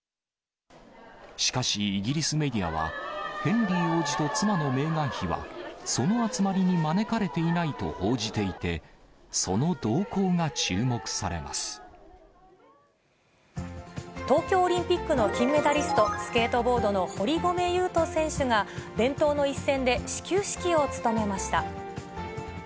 しかし、イギリスメディアは、ヘンリー王子と妻のメーガン妃は、その集まりに招かれていないと報じていて、その動向が注目されま東京オリンピックの金メダリスト、スケートボードの堀米雄斗選手が、伝統の一戦で始球式を務めました。